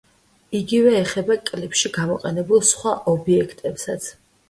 იგივე ეხება კლიპში გამოყენებულ სხვა ობიექტებსაც.